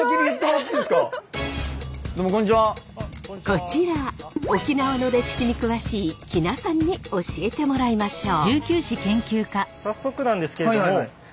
こちら沖縄の歴史に詳しい喜納さんに教えてもらいましょう。